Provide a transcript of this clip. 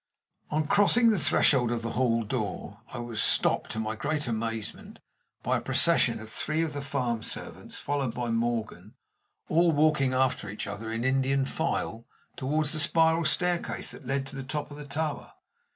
On crossing the threshold of the hall door I was stopped, to my great amazement, by a procession of three of the farm servants, followed by Morgan, all walking after each other, in Indian file, toward the spiral staircase that led to the top of the tower.